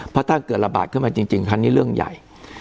เพราะถ้าเกิดระบาดขึ้นมาจริงครั้งนี้เรื่องใหญ่